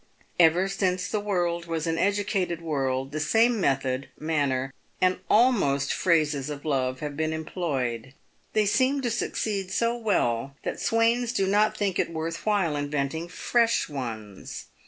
Ever since the world was an educated world, the same method, manner, and almost phrases of love have been employed. They seem to succeed so well, that swains do not think it worth while inventing fresh ones.